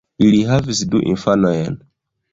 Ili havis du infanojn.